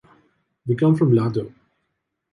We come from Lladó.